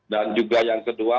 dan juga yang kedua